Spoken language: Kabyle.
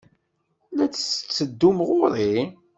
La d-tetteddum ɣer-i?